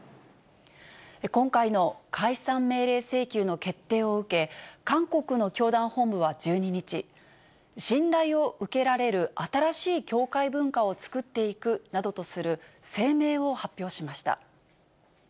今回の解散命令請求の決定を受け、韓国の教団本部は１２日、信頼を受けられる新しい教会文化を作っていくなどとする声明を発表しました。